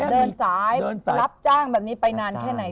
เดินสายรับจ้างแบบนี้ไปนานแค่ไหน